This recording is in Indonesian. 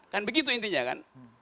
kan begitu intinya kan